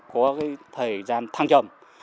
có cái thời gian thăng trầm